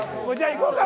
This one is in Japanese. いこうか。